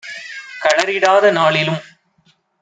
கழறிடாத நாளிலும்